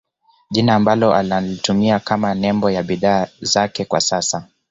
Jina ambalo analitumia kama nembo ya bidhaa zake kwa sasa